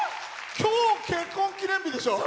きょう結婚記念日でしょ。